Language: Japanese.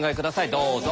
どうぞ。